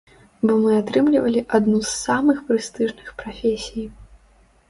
Бо мы атрымлівалі адну з самых прэстыжных прафесій.